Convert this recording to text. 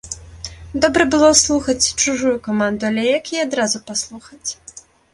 Добра было слухаць чужую каманду, але як яе адразу паслухаць?